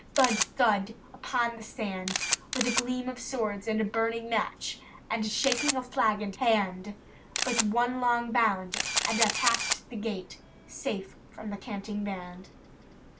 Thud! thud! upon the sand, — With a gleam of swords and a burning match, And a shaking of flag and hand; But one long bound, and I passed the gate, ^, ts Safe from the canting band.